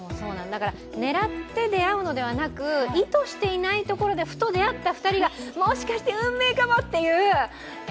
狙って出会うのではなく、意図していないところで、ふと出会った２人がもしかして運命かも！っていう、え？